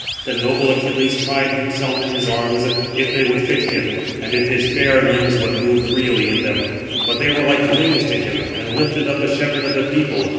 Then noble Achilles tried himself in his arms if they would fit him, and if his fair limbs would move freely in them; but they were like wings to him, and lifted up the shepherd of the people.